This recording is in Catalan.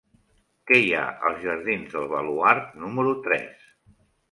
Què hi ha als jardins del Baluard número tres?